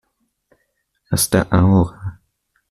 Hasta ahora.